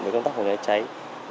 về công tác phòng cháy cháy